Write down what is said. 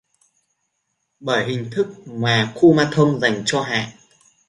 bởi hình thức mà Kumanthong dành cho Hạ